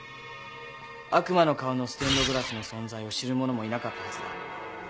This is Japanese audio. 悪魔の顔のステンドグラスの存在を知る者もいなかったはずだ。